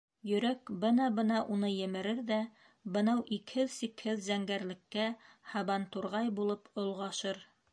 Йөрәк бына-бына уны емерер ҙә бынау икһеҙ-сикһеҙ зәңгәрлеккә һабантурғай булып олғашыр.